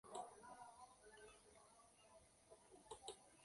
Ndaipóri yvy ári nderasaharã